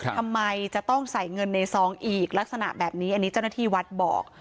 ทำไมจะต้องใส่เงินในซองอีกลักษณะแบบนี้อันนี้เจ้าหน้าที่วัดบอก